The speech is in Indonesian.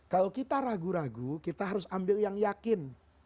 kalau kita ragu ragu kita harus ambil yang yakin